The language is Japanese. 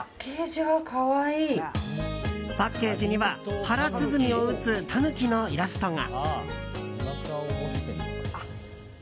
パッケージには腹鼓を打つタヌキのイラストが。